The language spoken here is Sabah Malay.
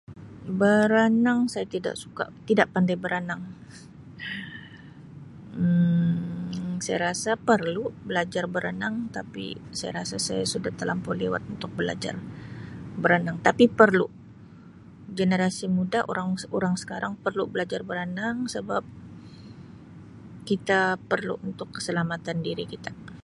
Berenang saya tidak suka tidak pandai berenang Um saya rasa perlu belajar berenang tapi saya rasa saya sudah telampau lewat untuk belajar berenang tapi perlu generasi muda orang sekarang perlu belajar berenang sebab kita perlu untuk keselamatan diri kita.